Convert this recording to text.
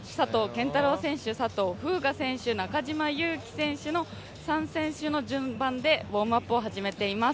拳太郎選手、佐藤風雅選手中島佑気選手の３選手の順番で、ウォームアップを始めています。